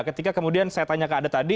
ketika kemudian saya tanya ke anda tadi